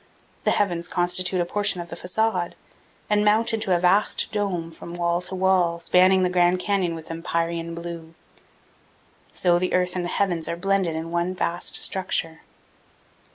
The heavens constitute a portion of the facade and mount into a vast dome from wall to wall, spanning the Grand Canyon with empyrean blue. So the earth and the heavens are blended in one vast structure.